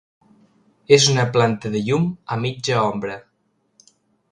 És una planta de llum a mitja ombra.